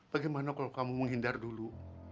bagaimana kalau kamu menghindar dulu